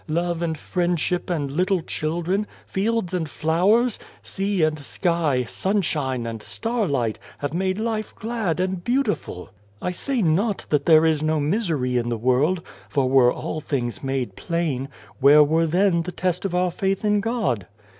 Love and friendship and little children, fields and flowers, sea and 44 God and the Ant sky, sunshine and starlight, have made life glad and beautiful. " I say not that there is no misery in the world, for were all things made plain, where were then the test of our faith in God